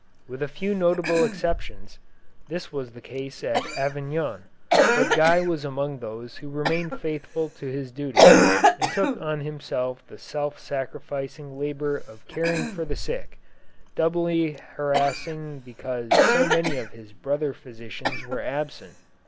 With a few notable exceptions, this was the case at Avignon, but Guy was among those who remained faithful to his duty and took on himself the self sacrificing labor of caring for the sick, doubly harassing because so many of his brother physicians were absent.